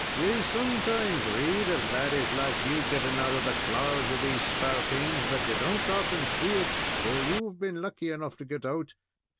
"You sometimes read of laddies like you gettin out of the claws of these spalpeens, but you don't often see it, though you've been lucky enough to get out."